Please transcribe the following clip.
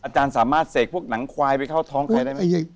อาจารย์สามารถเสกพวกหนังควายไปเข้าท้องใครได้ไหม